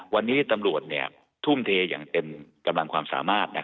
วันนี้ตำรวจทุ่มเทอย่างเต็มกำลังความสามารถ